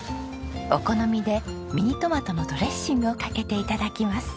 お好みでミニトマトのドレッシングをかけていただきます。